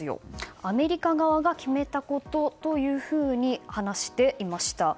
アメリカ側が決めたことというふうに話していました。